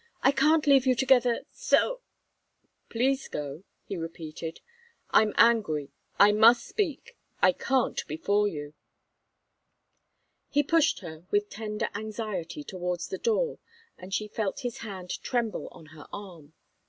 "I can't leave you together so." "Please go!" he repeated. "I'm angry I must speak I can't before you." He pushed her with tender anxiety towards the door, and she felt his hand tremble on her arm.